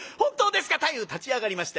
太夫立ち上がりました。